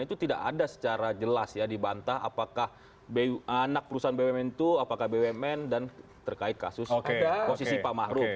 itu tidak ada secara jelas ya dibantah apakah anak perusahaan bumn itu apakah bumn dan terkait kasus posisi pak ⁇ maruf ⁇